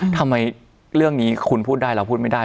ทำไมเรื่องนี้คุณพูดได้เราพูดไม่ได้